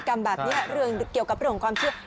กรรมแบบนี้เรื่องเกี่ยวกับเรื่องของความเชื่อ